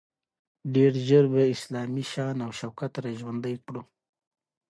ډیر ژر به اسلامي شان او شوکت را ژوندی کړو.